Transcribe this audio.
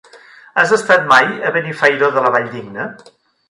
Has estat mai a Benifairó de la Valldigna?